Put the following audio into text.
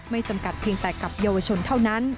จำกัดเพียงแต่กับเยาวชนเท่านั้น